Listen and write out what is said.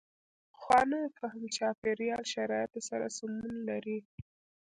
پخوانو فهم چاپېریال شرایطو سره سمون لري.